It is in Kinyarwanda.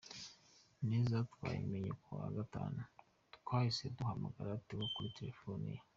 neza, twayimenye kuwa gatanu, twahise duhamagara Theo kuri telefoni ye.